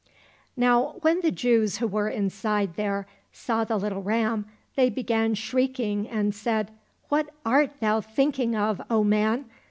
Now, when the Jews who were inside there saw the little ram, they began shrieking and said, " What art thou thinking of, O man